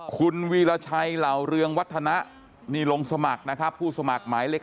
คุณวีรชัยเหล่าเรืองวัฒนะนี่ลงสมัครนะครับผู้สมัครหมายเลข